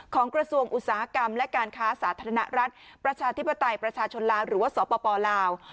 กระทรวงอุตสาหกรรมและการค้าสาธารณรัฐประชาธิปไตยประชาชนลาวหรือว่าสปลาว